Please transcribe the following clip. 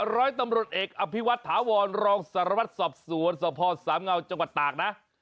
ร้อยตำรวจเอกอภิวัตถาวรรองสารวัตรสอบสวนสภสามเงาจังหวัดตากนะ